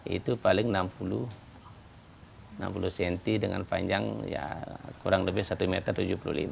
itu paling enam puluh cm dengan panjang ya kurang lebih satu meter tujuh puluh lima c